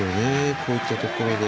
こういったところで。